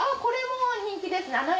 これも人気ですね。